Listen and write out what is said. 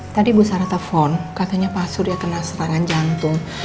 tadi ibu sarah telepon katanya pak surya kena serangan jantung